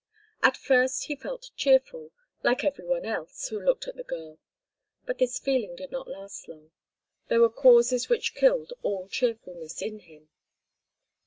At first he felt cheerful, like everyone else who looked at the girl, but this feeling did not last long—there were causes which killed all cheerfulness in him.